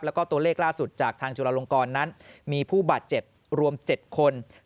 แล้วก็ตัวเลขล่าสุดจากทางจุฬาลงกรนั้นมีผู้บาดเจ็บรวม๗คน